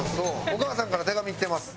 お母さんから手紙来てます。